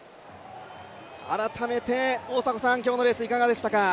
改めて今日のレース、いかがでしたか？